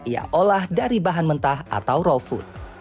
ia olah dari bahan mentah atau roti